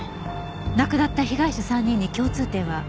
亡くなった被害者３人に共通点は？